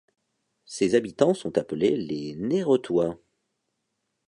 Ses habitants sont appelés les Néretois.